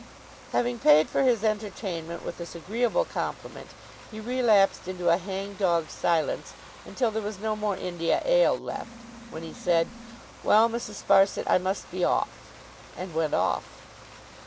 Having paid for his entertainment with this agreeable compliment, he relapsed into a hangdog silence until there was no more India ale left, when he said, 'Well, Mrs. Sparsit, I must be off!' and went off.